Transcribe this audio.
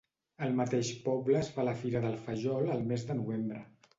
Al mateix poble es fa la Fira del fajol el mes de novembre.